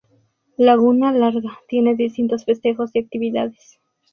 Laguna Larga tiene distintos festejos y actividades.